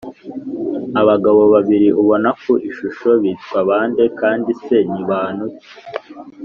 Abagabo babiri ubona ku ishusho bitwa bande kandi se ni bantu ki